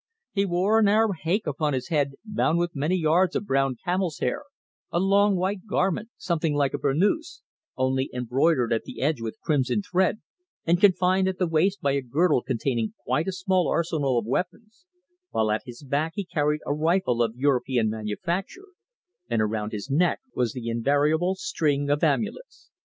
He wore an Arab haick upon his head bound with many yards of brown camel's hair, a long white garment, something like a burnouse, only embroidered at the edge with crimson thread and confined at the waist by a girdle containing quite a small arsenal of weapons, while at his back he carried a rifle of European manufacture, and around his neck was the invariable string of amulets.